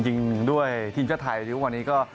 จริงด้วยทีมชาติไทยวันนี้ก็